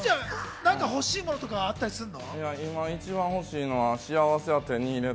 なんか欲しいものあったりするの？